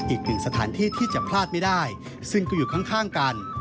อีกหนึ่งสถานที่ที่จะพลาดไม่ได้ซึ่งก็อยู่ข้างกัน